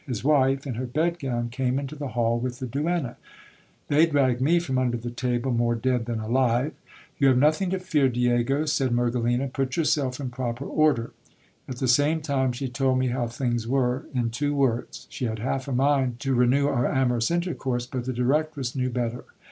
His wife, in her bed gown, came into the hall with the duenna. They dragged me from under the table more dead than alive. You have nothing to fear, Diego, said Mergelina, put yourself in proper order. At the same time she told me how things were in two words. She had half a mind to renew our amorous intercourse ; but the directress knew better.